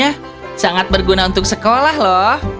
aku mau membelinya sangat berguna untuk sekolah loh